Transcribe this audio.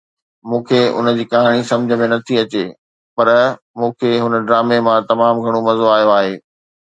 مون کي ان جي ڪهاڻي سمجهه ۾ نه ٿي اچي پر مون کي هن ڊرامي مان تمام گهڻو مزو آيو آهي